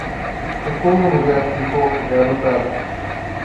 O fogo e a mulher, em coco, é adotado.